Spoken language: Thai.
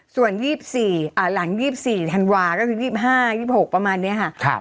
ส่วน๒๔หลัง๒๔ธันวาก็คือ๒๕๒๖ประมาณนี้ค่ะ